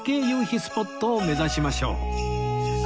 スポットを目指しましょう